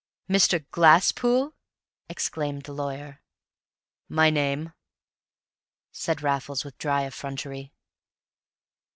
"Mr. Glasspool?" exclaimed the lawyer. "My name," said Raffles, with dry effrontery.